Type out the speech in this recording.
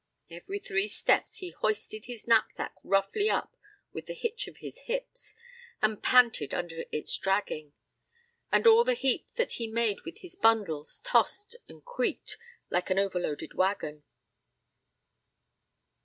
Every three steps he hoisted his knapsack roughly up with a hitch of his hips, and panted under its dragging; and all the heap that he made with his bundles tossed and creaked like an overloaded wagon.